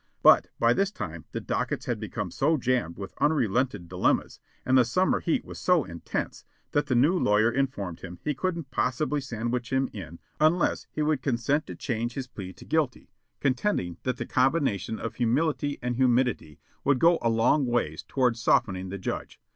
But by this time the dockets had become so jammed with unrelated dilemmas, and the summer heat was so intense, that the new lawyer informed him he couldn't possibly sandwich him in unless he would consent to change his plea to "guilty", contending that the combination of humility and humidity would go a long ways towards softening the judge.